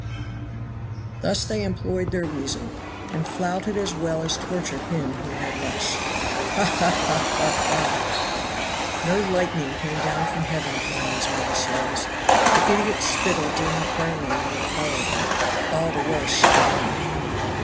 Thus they employed their reason, and flouted as well as tortured him who had less. "Haw! haw! haw! haw! haw!" No lightning came down from heaven upon these merry souls. The idiot's spittle did not burn them when it fell on them. ALL THE WORSE FOR THEM!